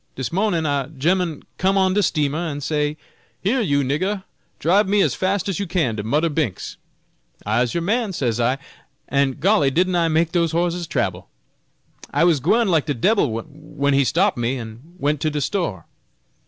Dis mornin' a gemmen come on de steamer, an' say, 'Here, you nigga, dribe me as fas' as you can to Mudder Bink's.' I'se yer man, says I; an' golly, didn't I make dose hosses trabel! I was gwine like de debil when he stop me, an' went to de store.